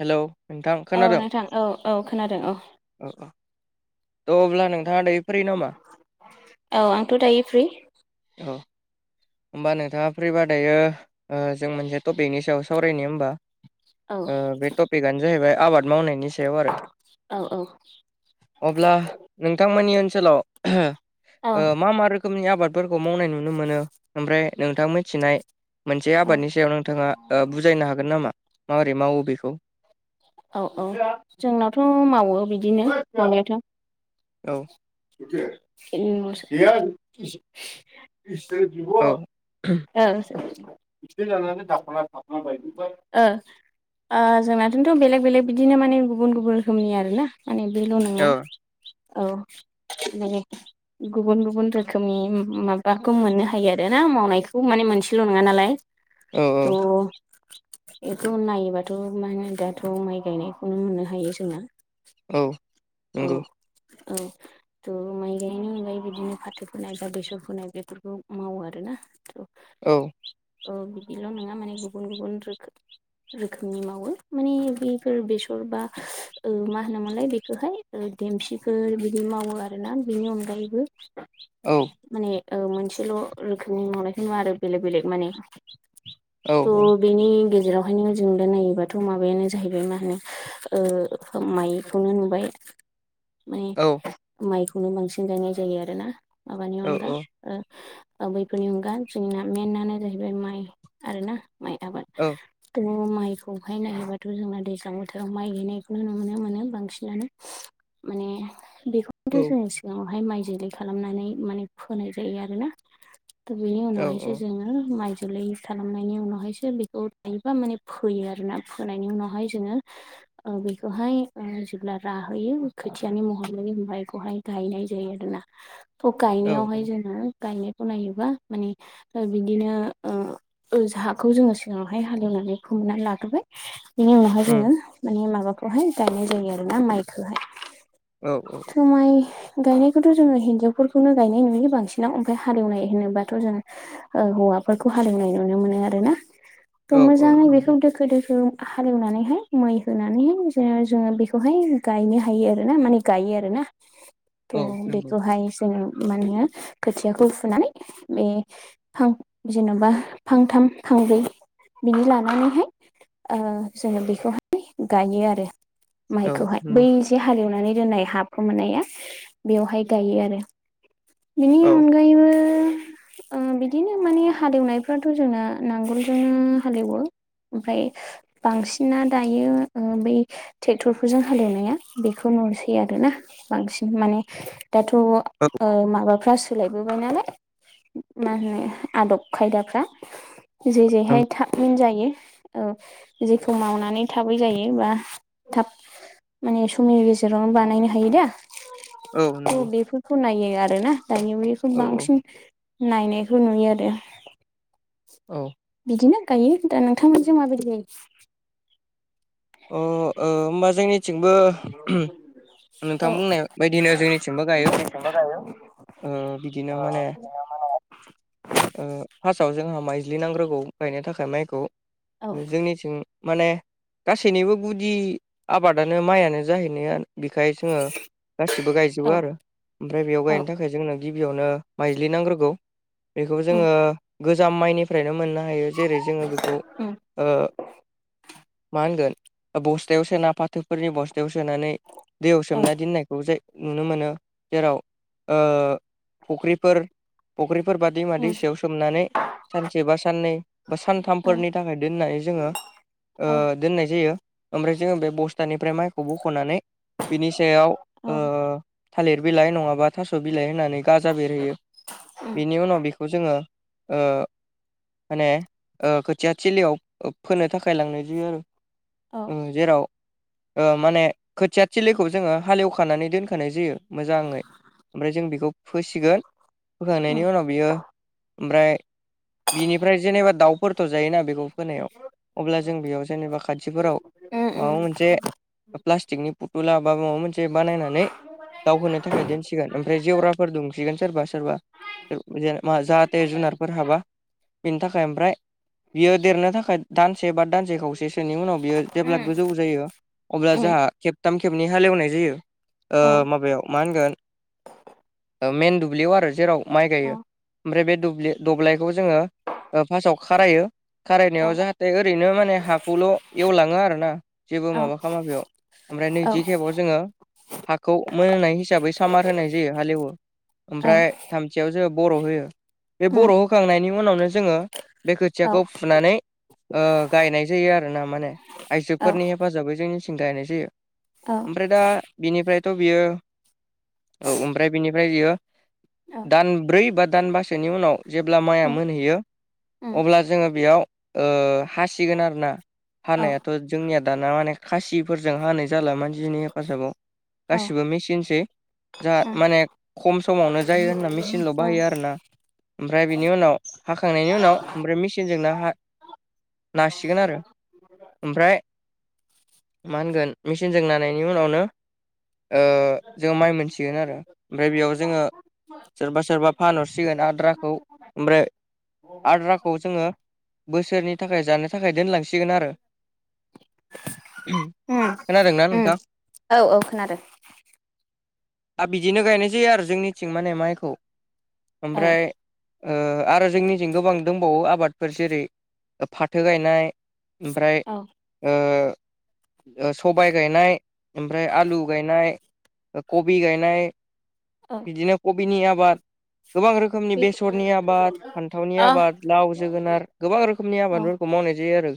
Hello. नोंथां औ खोनादों नोंथां औ औ खोनादों औ। औ औ थ' अब्ला नोंथाङा दै फ्रि नामा? औ आंथ' दायो फ्रि। औ। होमबा नोंथाङा फ्रिबा दायो जों मोनसे टपिकनि सायाव सावरायनि होमबा औ बे टपिकआनो जाहैबाय आबाद मावनायनि सायाव आरो औ औ। अब्ला नोंथांमोननि ओनसोलाव औ मा मा रोखोम रोखोमनि आबादफोरखौ मावनाय नुनो मोनो ओमफ्राय नोंथां मिथिनाय मोनसे औ आबादनि सायाव नोंथाङा बुजायनो हागोन नामा माबोरै मावो बेखौ औ औ जोंनावथ' मावो बिदिनो मावनायाथ' औ। [inaudible] औ। ओ ओ। जोंनाथ'थ' बेलेग बेलेग बिदिनो माने गुबुन गुबुन रोखोमनि आर ना माने बेल' औ नङा। औ माने गुबुन गुबुन रोखोमनि माबाखौ मोननो हायो आर ना मावनायखौ माने मोनसेल' नङा नालाय। औ औ थ' बेथ' नायोबाथ' म होन दाथ थ माइ गायनायखौनो मोननो हायो जोङो औ नंगौ औ-औ थ' माइ गायनायनि अनगायैबो बिदिनो फाथो फोनाय बा बेसर फोनाय बेफोरखौ मावो आरोना थ' औ औ बिदिल' नङा माने गुबुन गुबुन रोखो रोखोमनि मावो माने बेफोर बेसर बा मा होनोमोनलाय बेखौहाय देमसिखौ बिदि मावो आरोना बिनि अनगायैबो औ माने मोनसेल' रोखोमनि मावनायखौ नङा आरो बेलेक बेलेग माने औ थ' औ बेनि गेजेरावहायनो जों दा नायोबाथ' माबायानो जाहैबाय मा होनो ओ माइखौनो नुबाय माने औ माइखौनो बांसिन गायनाय जायो आरोना माबानि औ अनगा आरो बैफोरनि अनगा जोंना मेनानो जाहैबाय माइ आरोना माइ आबाद माइखौहाय नायोबाथ' जोंना दैज्लां बोथोराव माइ गायनायखौनो नुनो मोनो बांसिनानो माने बेखौनोथ' औ जों उनावहाय माइ जोलै खालामनानै माने फोनाय जायो आरोना दा बेनि औ उनावहायसो औ जोङो माइ जोलै खालामनायनि उनावहायसो बेखौ थायोबा माने फोयो आरोना फोनायनि उनावहाय जोङो ओ बेखौहाय जोब्ला आरो होयो खोथियानि महर मोनो ओमफ्राय बेखौहाय गायनाय जायो आरोना थ' गायनायावहाय औ जोङो गायनायखौ नायोबा माने ओ बिदिनो ओ हाखौ जोङो सिगाङावहाय हाल एवनानै फोमोननानै लाग्रोबाय बेनि उनावहाय जोङो उम माने माबाखौहाय गायनाय जायो आरोोना माइखौहाय औ थ' माइ गायनायखौथ' जोङो हिन्जावफोरखौनो गायनाय नुयो बांसिनाव ओमफ्राय हाले एवनाय होनोबाथ' जोङो ओ हौवाफोरखौ हाल एवनाय नुनो मोनो आरोना औ थ' औ मोजाङै बेखौ दोखो दोखो हाल एवनानैहाय मै होनानैहाय जोङो बेखौ हाय गायनो हायो आरो ना माने गायो आरो ना औ थ' नंगौ बेखौहाय जोङो मानो खोथियाखौ फुनानै बे फां जेन'बा फांथाम फांब्रै बिनि लानानैहाय ओ जोङो बेखौहाय गायो आरो औ माइखौहाय बै नंगौ से हाल एवनानै दोननाय हाखौ मोननाया बेयावहाय गायो आरो औ अनगायैबो बिदिनो माने हाल एवनायफ्राथ' जोंना नांगोलजोंनो हाल एवो ओमफ्राय बांसिना दायो ओ बै ट्रेक्टरफोरजों हाल एवनाया बेखौ नुनोसै आरोना बांसिन माने दाथ' ओ औ माबाफ्रा सोलायबोबाय नालाय मा होनो आदब खायदाफ्रा जे जेहाय नंगौ थाबैनो जायो औ जेखौ मावनानै थाबै जायो बा थाब माने समनि गेजेरावनो बानायनो हायो दा औ नंगौ थ' बेफोर खौ नायो आरोना दानि बेखौ औ बांसिन नायनायखौ नुयो आरो औ बिदिनो गायो दा नोंथांमोनजों माबायदि जायो? अ ओ होमबा जोंनि थिंबो औ नोंथां बुंनाय बायदिनो जोंनिथिंबो गायो ओ बिदिनो माने ओ फार्स्टआव जोंहा माइज्लिनांग्रोगौ गायनो थाखाय माइखौ औ जोंनिथिं माने गासैनिबो गुदि आबादानो माइयानो जाहैनाया बिखाय जोङो गासिबो औ गायजोबो आरो ओमफ्राय बेयाव औ गायनो थाखाय जोंनो गिबियावनो माइज्लि नांग्रोगौ बेखौ उम जोङो गोजाम माइनिफ्रायनो मोननो हायो जेरै जोङो बेखौ उम ओ [inaudible] मा होनगोन बस्थायाव सोना फाथोफोरनि बस्थायाव सोनानै दैयाव औ सोमना दोननायखौ जाय नुनो मोनो जेराव ओ फुख्रिफोर फुख्रिफोर बा दैमा उम दैसायाव सोमनानै सानसे बा साननै बा औ सानथामफोरनि थाखाय दोननानै जोङो ओ औ दोननाय जायो ओमफ्राय जोङो बे बसथानिफ्राय माइखौ बख'नानै बिनि सायाव ओ थालिर बिलाइ नङाबा थास' बिलाइ होनानै गाजा बेरहोयो उम बिनि उनाव बेखौ जोङो ओ माने खोथिया थिलियाव फोनो थाखाय लांनाय जायो आरो औ ओ जेराव माने खोथिया थिलिखौ जोङो हाल एवखानानै दोनखानाय जायो मोजाङै ओमफ्राय जों बेखौ फोसिगोन उम फोखांनायनि उनाव बियो ओमफ्राय बिनिफ्राय जेनेबा दाउफोरथ' जायोना बेखौ फोनायाव अब्ला जों बेयाव जेनेबा खाथिफोराव उम माबा मोनसे प्लासथाकनि दुला मा मोनसे बनानै दावहोनो थाखाय दोनसिगोन ओमफ्राय जेवराफोर दुमसिगोन सोरबा सोरबा जाहाथे जुनारफोर हाबा बेनि थाखाय ओमफ्राय बियो देरनो थाखाय दानसे बा दानसे खावसेसोनि उनाव बियो जेब्ला उम गोजौ जायो अब्ला उम जोंहा खेब थाम खेबनै हालेवनाय जायो माबायाव मा होनगोन मेन दुब्लियाव आरो जेराव माइ गायो उम ओमफ्राय बे दुब्लि दब्लायखौ जोङो फार्स्टआव खारायो औ उम औ खारायनायाव जाहाथे ओरैनो माने हाब थ' एवलाङो आरोना जेबो औ माबा खालामा बेयाव औ उम औ उम ओमफ्राय नैथि खेबाव जोङो हाखौ मोनोनाय हिसाबै सामार होनाय जायो हालेवो उम ओमफ्राय थामथियाव जे बर' होयो बे उम बर' होखांनायनि उनावनो जोङो बे खोथियाखौ फुनानै गायनाय जायो आरो ना माने आइजोफोरनि हेफाजाबै जोंनिथिं गायनाय जायो औ ओमफ्राय दा बिनिफ्रायथ' बियो औ ओमफ्राय बिनिफ्राय बियो दानब्रै बा दानबासोनि उनाव जेब्ला माइआ मोनहैयो अब्ला जोङो बेयाव हासिगोन आरोना हानायाथ' जोंनिया दाना माने खासिफोरजों हानाय जाला मानसिनि हेफाजाबाव गासिबो मेचिनसै जा माने खम समावनो जायो होनना मेचिनल' बाहायो आरो ना ओमफ्राय बिनि उनाव हाखांनायनि उनाव ओमफ्राय मेसिनजोंनो हा नासि सिगोन आरो ओमफ्राय मा होनगोन मेचिनजों नानायनि उनावनो जोङो माइ मोनसिगोन आरो ओमफ्राय बेयाव जोङो सोरबा सोरबा फानहरसिगोन आद्राखौ ओमफ्राय आद्राखौ जोङो बोसोरनि थाखाय जानो थाखाय दोनलांसिगोन आरो खोनादोंना नोंथां औ औ खोनादों आ बिदिनो गायनाय जायो आरो जोंनिथिं माने माइखौ औ ओमफ्राय आरो जोंनिथिं गोबां दंबावो आबादफोर जेरै फाथो गायनाय ओमफ्राय औ ओ सबाय गायनाय ओमफ्राय आलु गायनाय कबि गायनाय औ बिदिनो कबिनि आबाद गोबां रोखोम खोमनि बेखौ बेसरनि आबाद फान्थावनि अ आबाद लाव जोगोनार गोबां रोखोमनि औ आबादफोरखौ मावनाय जायो आरो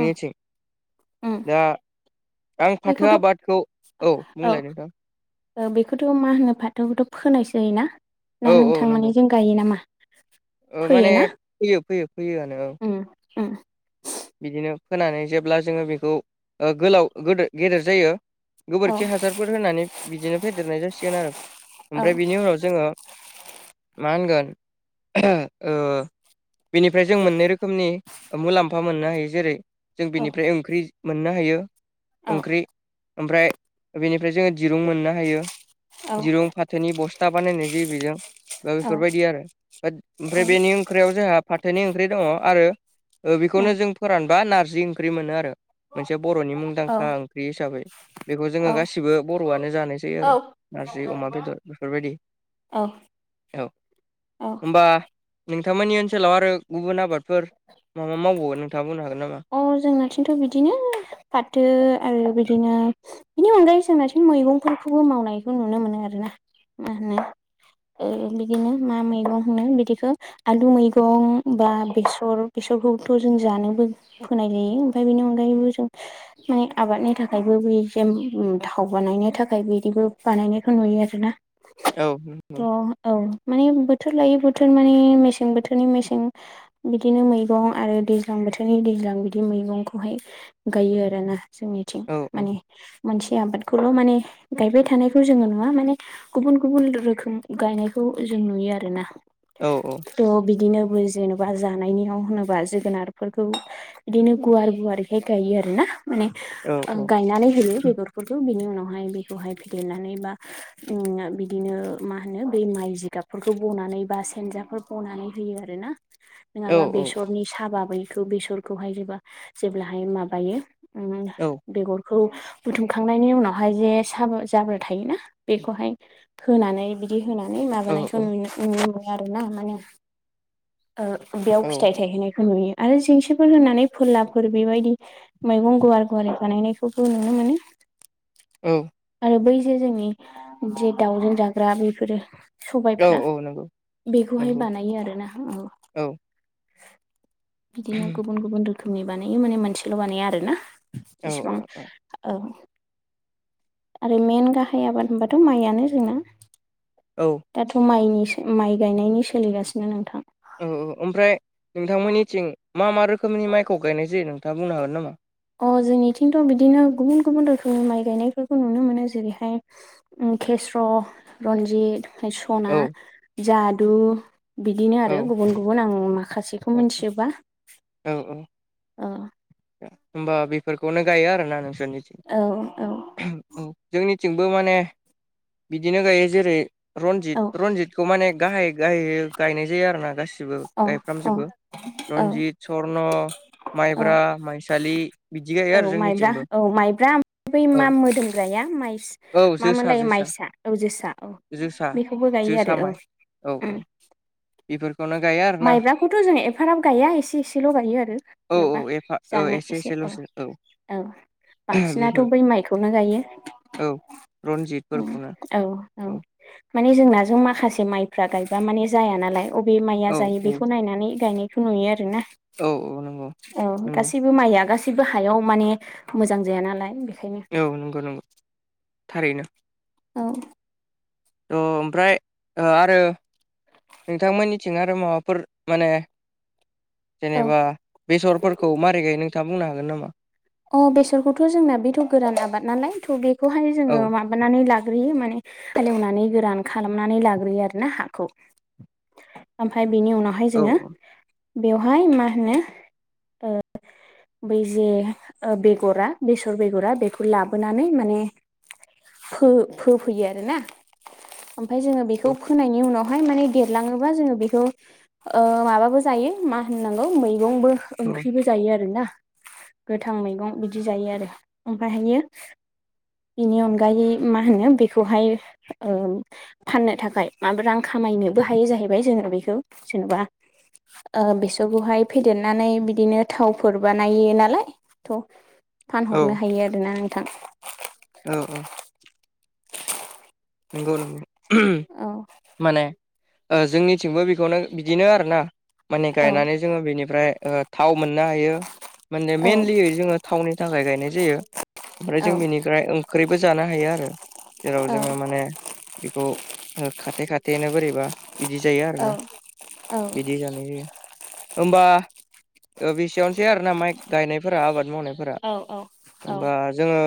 उम उम दा आं फाथो बेखौथ' आबादखौ औ बुंलाय नोंथां ओ बेखौथ' मा होनो फाथोखौथ' फोनायसोयोना औ ना औ नंगौ नोंथांमानि जों गायो नामा ओ फोयो माने ना फोयो फोयो फोयोआनो औ उम उम बिदिनो फोनानै जेब्ला जोङो बेखौ ओ गोलाव गो गेदेर जायो औ गोबोरखि हासारफोर होनानै बिदिनो फेदेरनाय जासिगोन आरो औ ओमफ्राय बिनि उनाव जोङो मा होनगोन ओ बेनिफ्राय जों मोननै रोखोमनि मुलाम फा मोननो हायो जेरै जों औ बिनिफ्राय ओंख्रि मोननो हायो ओंख्रि ओमफ्राय बेनिफ्राय जोङो दिरुं मोननो हायो औ दिरुं फाथोनि बस्था बानायनाय जायो बेजों दा बेफोरबायदि आरो ओमफ्राय बेनि ओंख्रियाव जोंहा फाथोनि ओंख्रि दङ आरो बे खौनो जों फोरानबा नारजि ओंख्रि मोनो आरो मोनसे बर'नि औ मुंदांखा ओंख्रि हिसाबै बेखौ जोङो औ गासिबो बर'आनो जानायसै आरो नारजि अमा बेदर बेफोरबायदि औ औ होनबा नोंथांमोननि ओनसोलाव आरो गुबुन आबादफोर मा मावबावो नोंथाङा बुंनो हागोन नामा अ जोंनाथिंथ' बिदिनो फाथो आरो बिदिनो बेनि अनगायै जोंनाथिं मैगंफोरखौबो मावनायखौ नुनो मोनो आरोना मा होनो ओ बिदिनो मा मैगं होनो बिदिखौ आलु मैगं बा बेसर बेसरखौथ' जों जानोबो फोनाय नुयो ओमफ्राय बेनि अनगायैबो जों माने आबादनि थाखायबो बे जे थाव बानायनो थाखाय बिदिबो बानायनायखौ नुयो आरोना औ नंगौ अ औ माने बोथोर लायै बोथोर माने मेसें बोथोरनि मेसें बिदिनो मैगं आरो दैज्लां बोथोरनि दैज्लां बि दि मैगंखौहाय गायो आरोना जोंनिथिं औ माने मोनसे आबादखौल' माने गायबाय थानायखौ जोङो नुवा माने गुबुन गुबुन रोखोम गायनायखौ जों नुयो आरोना औ औ थ' बिदिनो बै जेनेबा जानायनियाव होनोबा जोगोनारफोरखौ बिदिनो गुवार गुवारैहाय गायो आरोना माने औ गायनानै होयो बेगर फोरखौ बिनि उनावहाय बेखौहाय फेदेरनानै बा उम बिदिनो मा होनो बै माइ जिगाब फोरखौ बनानै बा सेनजाफोर बनानै होयो आरो ना औ नोङाबा बेसरनि साहाबा बैखौ बेसर खौहाय जे जेब्लाहाय माबायो उम औ बेगरखौ बुथुमखांनायनि उनावहाय जे साब जाब्रा थायोना बेखौहाय होनानै बिदि होनानै औ माबानायखौ नु औ नुनो मोनो आरो ना माने ओ बेयाव औ फिथाइ थायहैनायखौ नुयो आरो जेंसिफोर होनानै फोरलाफोर बेबायदि मैगं गुवार गुवारि बानायनायखौबो नुनो मोनो औ आरो बै जे जोंनि जे दाउजों जाग्रा बेफोरो औ सबायफ्रा औ नंगौ बेखौहाय नंगौ बानायो आरोना औ औ बिदिनो गुबुन गुबुन रोखोमनि बानायो माने मोनसेल' बानायो आरोना औ जेसेबां औ आरो मेन गाहाय आबाद होनबाथ' माइआनो जोंना औ दाथ' माइनि माइ गायनायनि सोलिगासिनो नोंथां औ औ ओमफ्राय नोंथांमोननिथिं मा मा रोखोमनि माइखौ गायनाय जायो नोंथाङा बुंनो हागोन नामा अ जोंनिथिंथ' बिदिनो गुबुन गुबुन रोखोमनि माइ गायनायफोरखौ नुनो मोनो जेरैहाय केेस्र' रन्जित सना औ जादु बिदिनो आरो औ गुबुन गुबुन आं माखासेखौ औ मिथियोबा ओ होनोमबा बेफोरखौनो गायो आरोना औ नोंसोरनिथिं जोंनिथिंबो माने बिदिनो गायो जेरै औ रनजित रनजितखौ माने गाहाय गाहाय गायनाय जायो आरो ना गासि बो औ गायफ्रामजोबो औ औ रनजित सरन माइब्रा औ माइसालि बिदि गायो औ आरो माइब्रा जोंनिथिंबो औ माइब्रा बै मा औ मोदोमग्राया माइ औ मा जोसा मोनलायो जोसा माइसा औ जोसा औ जोसा बेखौबो गायो जोसा आरो औ माइ औ औ उम बेफोरखौनो गायो आरो माइब्राखौथ' जों एफाराब गायो एसे एसेल' गायो आरो औ जेन' औ एफा औ एसे एसेल'सो औ औ बांसिनाथ' बेफोर बै माइखौनो गायो औ रनजितफोरखौनो औ औ माने जोंनााजों माखासे माइफ्रा गायबा माने जाया नालाय अबे माइ औ जायो औ बेखौ नायनानै गायनायखौ नुयो आरोना औ औ नंगौ औ नंगौ गासैबो माइया गासैबो हायाव माने मोजां जाया नालाय बेखायनो औ नंगौ नंगौ थारैनो औ थ' ओमफ्राय आरो नोंथांमोननिथिं आरो माबाफोर माने औ जेनेबा बेसरफोरखौ मारै गायो नोंथाङा बुंनो हागोन नामा अ बेसरखौथ' जोंना बेथ' गोरान आबाद नालाय थ' बेखौहाय औ जोङो मा बानानै लाग्रोयो माने हालेवनानै गोरान खालामनानै लाग्रोयो आरो ना हाखौ ओमफ्राय बिनि उनाव हाय औ जोङो बेयावहाय मा होनो ओ बै जे ओ बेगरा बेसर बेगरा बेखौ लाबोनानै माने फो फोफैयो आरोना ओमफाय जोङो बेखौ फोनायनि उनावहाय माने देरलाङोबा जोङो बेखौ ओ माबाबो जायो मा होननांगौ मैगंबो औ ओंख्रिबो जायो आरोना गोथां मैगं बिदि जायो आरो ओमफ्रायहायो बेनि अनगायै मा होनो बेखौहाय ओ फाननो थाखाय माबा रां खामायनोबो हायो जाहैबाय जोङो बेखौ जेन'बा बेसरखौहाय फेदेरनानै बिदिनो थावफोर बानायो नालाय थ' औ फानहरनो हायो आरोना नोंथां औ औ नंगौ नंगौ औ माने ओ जोंनिथिंबो बेखौनो बिदिनो आरोना माने औ गायनानै जोङो बेनिफ्राय थाव मोननो हायो माने औ मइेनलि जोङो थावनि थाखाय गायनाय जायो ओमफ्राय औ जों बेनिफ्राय ओंख्रिबो जानो हायो आरो जेराव जों जोङो माने बेखौ ओ खाथे खाथेनो बोरैबा बिदि जायो औ आरोना औ बिदि जानाय जायो होमबा बेसेयावनोसै आरो ना माइ गायनायफोरा आबाद मावनायफोरा औ औ औ होमबा जोङो